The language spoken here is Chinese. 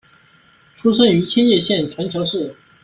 出身于千叶县船桥市。